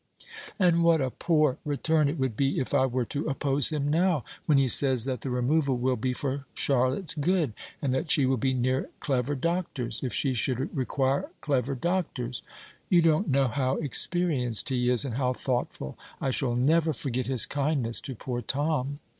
And what a poor return it would be if I were to oppose him now, when he says that the removal will be for Charlotte's good, and that she will be near clever doctors if she should require clever doctors! You don't know how experienced he is, and how thoughtful. I shall never forget his kindness to poor Tom."